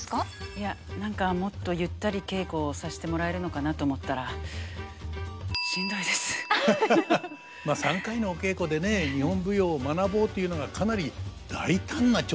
いや何かもっとゆったり稽古をさせてもらえるのかなと思ったらまあ３回のお稽古でね日本舞踊を学ぼうというのがかなり大胆な挑戦ではありますね。